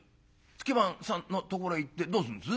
「月番さんのところへ行ってどうすんです？」。